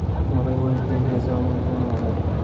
هغه یوازې د انګریزانو امرونه منل.